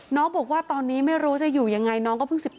น้องบอกว่าตอนนี้ไม่รู้จะอยู่ยังไงน้องก็เพิ่ง๑๘